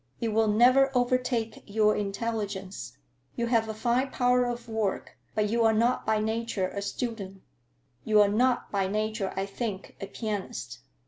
It will never overtake your intelligence. You have a fine power of work, but you are not by nature a student. You are not by nature, I think, a pianist.